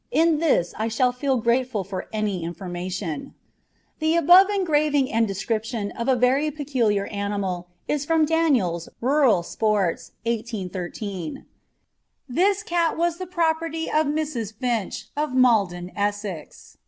In this way I shall feel grateful for any information. The above engraving and description of a very peculiar animal is from Daniel's "Rural Sports," 1813: "This Cat was the Property of Mrs. Finch, of Maldon, Essex.